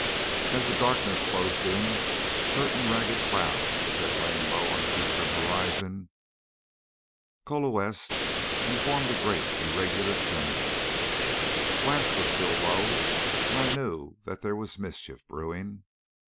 As the darkness closed in, certain ragged clouds which had lain low on the eastern horizon coalesced and formed a great irregular cumulus. The glass was still low, and I knew that there was mischief brewing.